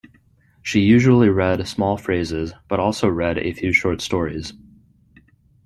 She usually read small phrases but also read a few short stories.